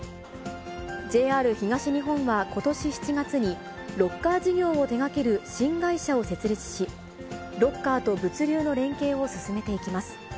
ＪＲ東日本はことし７月に、ロッカー事業を手がける新会社を設立し、ロッカーと物流の連携を進めていきます。